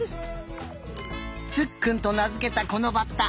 つっくんとなづけたこのバッタ。